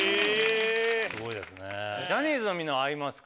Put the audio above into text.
すごいですね。